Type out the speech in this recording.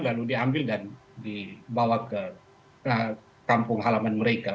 lalu diambil dan dibawa ke kampung halaman mereka